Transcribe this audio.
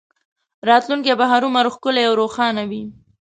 راتلونکی به هرومرو ښکلی او روښانه وي